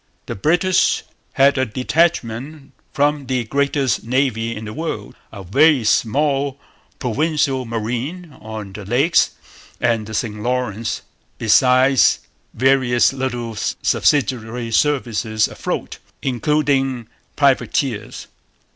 The British had a detachment from the greatest navy in the world, a very small 'Provincial Marine' on the Lakes and the St Lawrence, besides various little subsidiary services afloat, including privateers.